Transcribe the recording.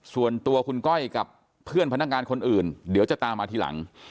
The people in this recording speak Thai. ส่วนตัวคุณก้อยกับเพื่อนพนักงานคนอื่นเดี๋ยวจะตามมาทีหลัง